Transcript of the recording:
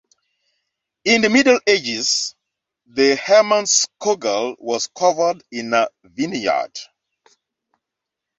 In the Middle Ages, the Hermannskogel was covered in vineyards.